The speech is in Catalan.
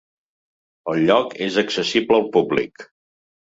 El lloc és accessible al públic.